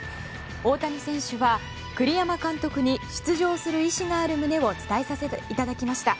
大谷選手は栗山監督に出場する意思がある旨を伝えさせていただきました。